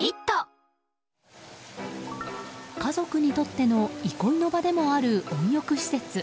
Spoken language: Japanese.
家族にとっての憩いの場でもある温浴施設。